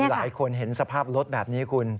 หลายคนเห็นสภาพรถแบบนี้คุณ